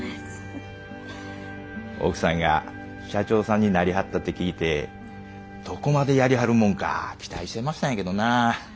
奥さんが社長さんになりはったって聞いてどこまでやりはるもんか期待してましたんやけどな。